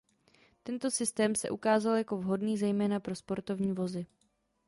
Tento systém se ukázal jako vhodný zejména pro sportovní vozy.